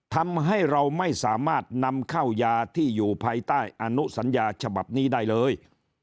ทำให้เราไม่สามารถนำเข้ายาที่อยู่ภายใต้อนุสัญญาฉบับนี้ได้เลย